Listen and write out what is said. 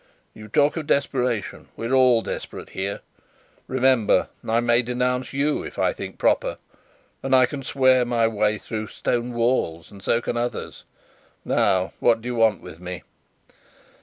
You talk of desperation. We are all desperate here. Remember! I may denounce you if I think proper, and I can swear my way through stone walls, and so can others. Now, what do you want with me?"